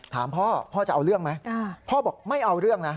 ถามพ่อพ่อจะเอาเรื่องไหมพ่อบอกไม่เอาเรื่องนะ